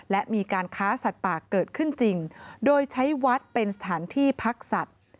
และมีการค้าสัตว์ป่าเกิดขึ้นจริงโดยใช้วัดเป็นสถานที่พักสัตว์